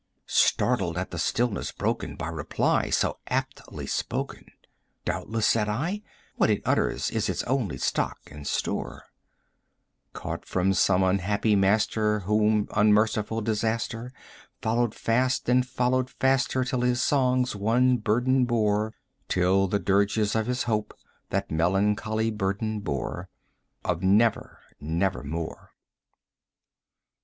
60 Startled at the stillness broken by reply so aptly spoken, "Doubtless," said I, "what it utters is its only stock and store, Caught from some unhappy master whom unmerciful Disaster Followed fast and followed faster till his songs one burden bore Till the dirges of his Hope that melancholy burden bore 65 Of 'Never nevermore.'"